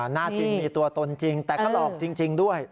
หน้าจริงมีตัวตนจริงแต่ก็หลอกจริงด้วย